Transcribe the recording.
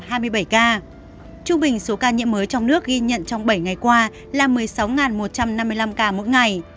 trung bình số ca nhiễm mới trong nước ghi nhận trong bảy ngày qua là một mươi sáu một trăm năm mươi năm ca mỗi ngày